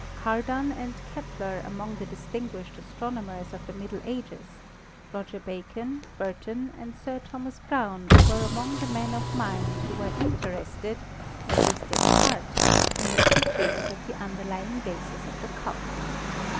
Cardan and Kepler among the distinguished astrono mers of the Middle Ages, Roger Bacon, Burton and Sir 8 ASTRONOMY Thomas Brown were among the men of mind who were interested, at least in part, in the teachings of the underly ing basis of the cult.